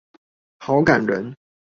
好感人